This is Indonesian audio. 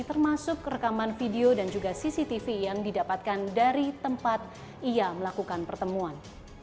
termasuk rekaman video dan juga cctv yang didapatkan dari tempat ia melakukan pertemuan